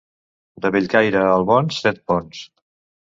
De Bellcaire a Albons, set ponts.